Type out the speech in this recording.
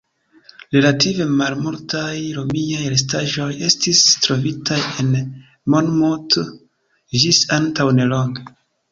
Relative malmultaj Romiaj restaĵoj estis trovitaj en Monmouth ĝis antaŭ nelonge.